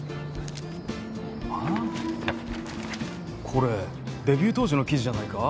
これデビュー当時の記事じゃないか？